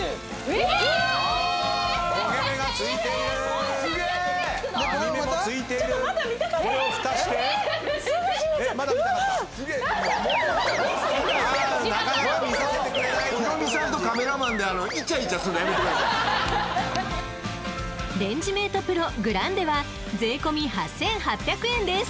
［レンジメートＰＲＯグランデは税込み８，８００円です］